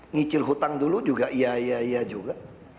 ngicil hutang dulu juga iya iya iya juga